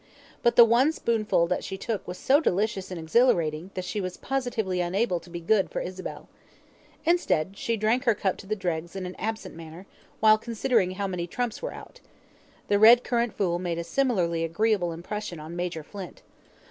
But the one spoonful that she took was so delicious and exhilarating, that she was positively unable to be good for Isabel. Instead, she drank her cup to the dregs in an absent manner, while considering how many trumps were out. The red currant fool made a similarly agreeable impression on Major Flint.